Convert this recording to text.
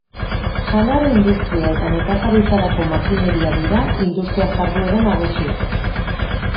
Janari-industria eta nekazaritzarako makineria dira industria-jarduera nagusiak.